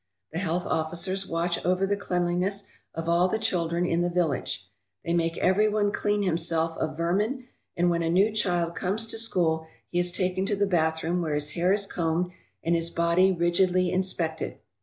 The health officers watch over the cleanliness of all the children in the village. They make everyone clean himself of vermin, and when a new child comes to school he is taken to the bathroom where his hair is combed and his body rigidly inspected.